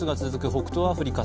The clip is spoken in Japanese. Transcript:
北東アフリカ